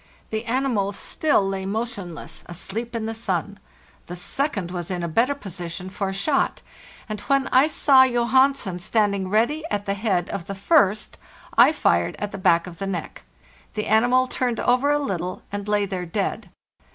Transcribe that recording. The animals still lay motionless, asleep in the sun. The second was in a better position 390 FARTHEST NORTH for a shot, and, when I saw Johansen standing ready at the head of the first, I fired at the back of the neck. The animal turned over a little, and lay there dead.